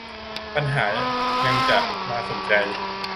ปัญหายังจะมาสุมใจ